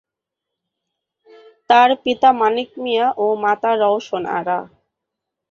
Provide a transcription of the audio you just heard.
তার পিতা মানিক মিয়া ও মাতা রওশন আরা।